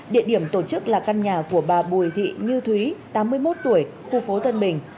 địa điểm tổ chức là căn nhà của bà bùi thị như thúy tám mươi một tuổi khu phố tân bình